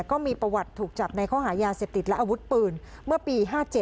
ก็มีประวัติถูกจับในข้อหายาเสพติดและอาวุธปืนเมื่อปี๕๗